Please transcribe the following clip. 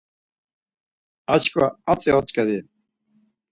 Arçkva atzi otzǩedi.